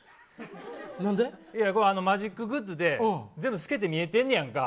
これマジックグッズで全部透けて見えてねんやんか。